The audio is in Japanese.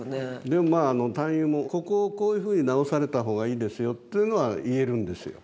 でもまあ探幽も「ここをこういうふうに直された方がいいですよ」というのは言えるんですよ。